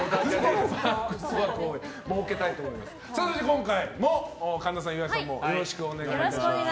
今回も神田さん、岩井さんもよろしくお願いします。